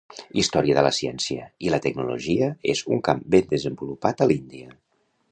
Història de la ciència i la tecnologia és un camp ben desenvolupat a l'Índia.